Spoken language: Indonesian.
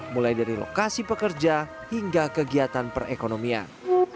mulai dari lokasi pekerja hingga kegiatan perekonomian